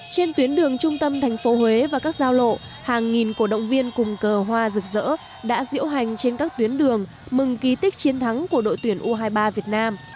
trên tuyến đường trung tâm thành phố huế và các giao lộ hàng nghìn cổ động viên cùng cờ hoa rực rỡ đã diễu hành trên các tuyến đường mừng ký tích chiến thắng của đội tuyển u hai mươi ba việt nam